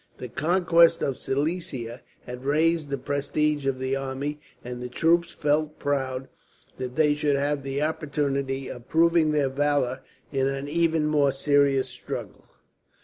The conquest of Silesia had raised the prestige of the army, and the troops felt proud that they should have the opportunity of proving their valour in an even more serious struggle.